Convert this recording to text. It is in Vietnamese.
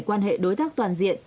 quan hệ đối tác toàn diện